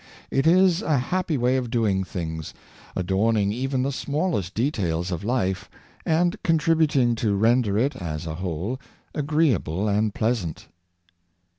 It is a happy way of doing things, adorning even the smallest details of life, and contributing to render it, as a whole, agreeable and pleasant.